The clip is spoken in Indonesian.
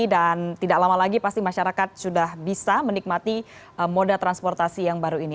dan tidak lama lagi pasti masyarakat sudah bisa menikmati moda transportasi yang baru ini